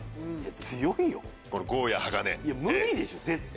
強いよ無理でしょ絶対。